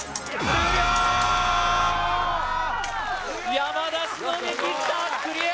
山田しのぎきったクリア！